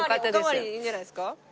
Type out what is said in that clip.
おかわりいいんじゃないですか？